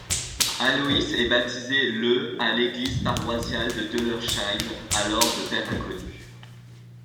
Aloïs est baptisé le à l'église paroissiale de Döllersheim, alors de père inconnu.